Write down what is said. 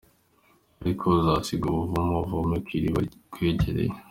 Ariko uzasiga ubuvumo, uvome kwiriba rikwegereye.